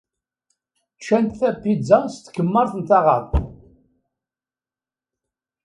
Ččant tapizza s tkemmart n taɣaḍt.